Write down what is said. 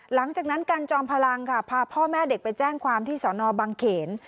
หลังจากนั้นกันจอมพลังค่ะพาพ่อแม่เด็กไปแจ้งความที่สอนอบังเขน